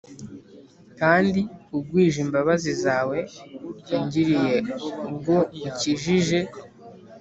kandi ugwije imbabazi zawe ungiriye ubwo ukijije